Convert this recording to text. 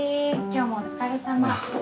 今日もお疲れさま。